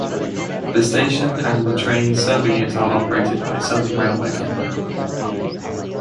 The station and the trains serving it are operated by Southern railway company.